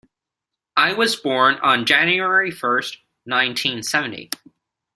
I was born on January first, nineteen seventy.